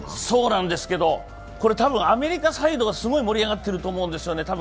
そうなんですけどこれはアメリカサイドがすごい盛り上がってると思うんですよね。